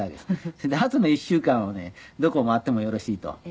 それであとの１週間はねどこ回ってもよろしいと。